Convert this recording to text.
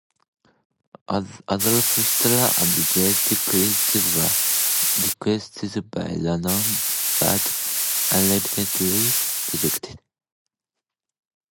Adolf Hitler and Jesus Christ were requested by Lennon, but ultimately rejected.